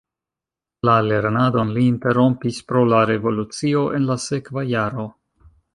La lernadon li interrompis pro la revolucio en la sekva jaro.